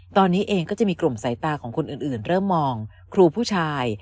ตอนนี้เองก็จะมีกลุ่มสายตาของคนอื่นเริ่มมองครูผู้ชาย